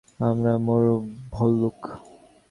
আমরা মরু ভল্লুক।